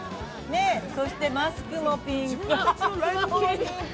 そしてマスクもピンク。